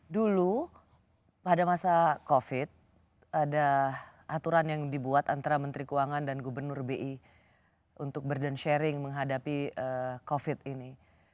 dulu pada masa covid ada aturan yang dibuat antara menteri keuangan dan gubernur bi untuk burden sharing menghadapi covid ini